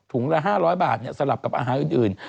ถุงละ๕๐๐บาทเนี่ยสลับกับอาหารอื่น